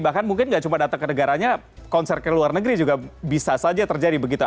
bahkan mungkin nggak cuma datang ke negaranya konser ke luar negeri juga bisa saja terjadi begitu